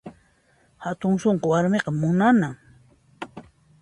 Hatun sunqu warmiqa munanan